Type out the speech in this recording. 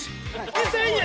２０００円！